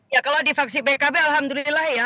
ya kalau di faksi pkb alhamdulillah ya